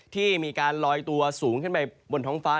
ที่มีการลอยตัวสูงขึ้นไปบนท้องฟ้า